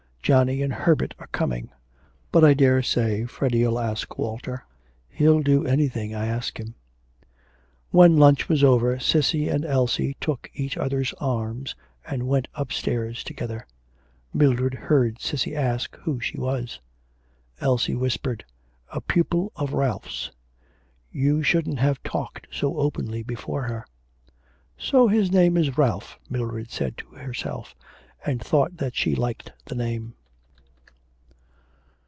Johnny and Herbert are coming. But I daresay Freddy'll ask Walter. He'll do anything I ask him.' When lunch was over Cissy and Elsie took each other's arms and went upstairs together. Mildred heard Cissy ask who she was. Elsie whispered, 'A pupil of Ralph's. You shouldn't have talked so openly before her.' 'So his name is Ralph,' Mildred said to herself, and thought that she liked the name.